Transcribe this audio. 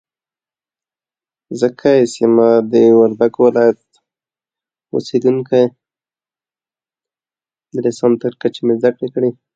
Next, I spread a generous amount of tomato sauce on the dough.